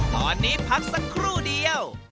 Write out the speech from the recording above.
ตอนนี้พักสักครู่เดียว